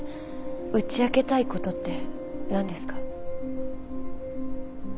打ち明けたいことって何ですか？